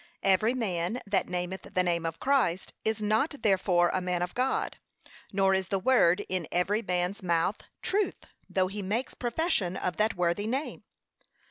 Every man that nameth the name of Christ is not therefore a man of God, nor is the word in every man's mouth, truth, though he makes profession of that worthy name.